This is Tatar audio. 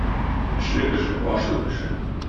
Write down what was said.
Эшле кеше - ашлы кеше